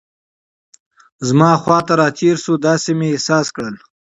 زما لور ته را تېر شو، داسې مې احساس کړل.